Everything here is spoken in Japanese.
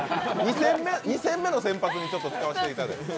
２戦目の先発にちょっと使わせていただいて。